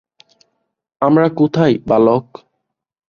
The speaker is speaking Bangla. আমরা কোথায়, বালক?